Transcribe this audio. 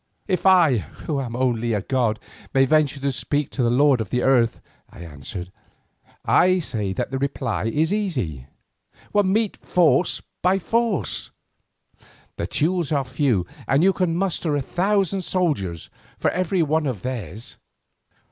"If I, who am only a god, may venture to speak to the lord of the earth," I answered, "I say that the reply is easy. Meet force by force. The Teules are few and you can muster a thousand soldiers for every one of theirs.